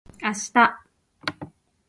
明日